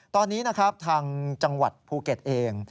ตอนนี้นะครับทางจังหวัดภูเก็ตเอง